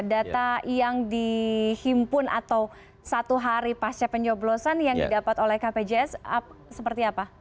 data yang dihimpun atau satu hari pasca pencoblosan yang didapat oleh kpjs seperti apa